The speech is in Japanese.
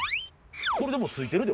これでもう着いてるで。